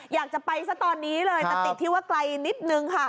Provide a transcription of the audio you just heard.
อยากจะไปซะตอนนี้เลยแต่ติดที่ว่าไกลนิดนึงค่ะ